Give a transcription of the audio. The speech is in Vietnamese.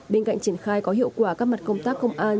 bên cạnh triển khai có hiệu quả các mặt công tác công an